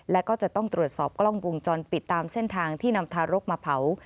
และก็จะต้องตรวจสอบกล้องวงจรปิดตามเส้นทางที่นำทารกมาเผา